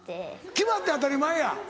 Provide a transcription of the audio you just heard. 決まって当たり前やん。